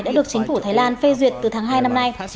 đã được chính phủ thái lan phê duyệt từ tháng hai năm nay